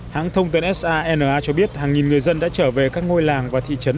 hãng thông tin sa na cho biết hàng nghìn người dân đã trở về các ngôi làng và thị trấn